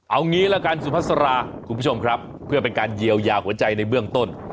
เอางี้ละกันสุภาษาราคุณผู้ชมครับเพื่อเป็นการเยียวยาหัวใจในเบื้องต้น